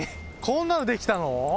こんなのできたの？